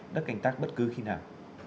đất cảnh tác bất cứ khi nào